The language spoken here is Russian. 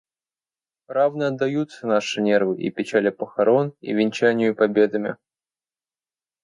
Равно отдаются наши нервы и печали похорон и венчанию победами.